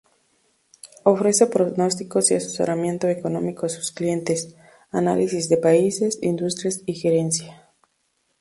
Ofrece pronósticos y asesoramiento económico a sus clientes: análisis de países, industrias y gerencia.